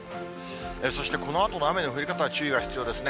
そしてこのあとの雨の降り方は注意が必要ですね。